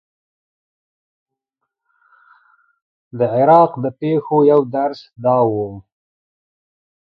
د عراق د پېښو یو درس دا و.